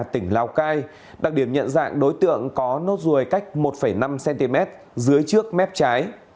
tỉnh lào cai đặc điểm nhận dạng đối tượng có nốt ruồi cách một năm cm dưới trước mép trái